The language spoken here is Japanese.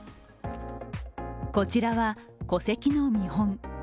こちらは戸籍の見本。